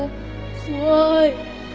怖い。